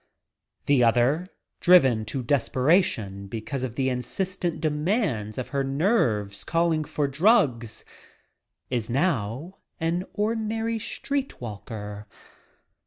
The other, driven to desperation because of the insistent demand of her nerves calling for the drugs, is now an ordinary street walker.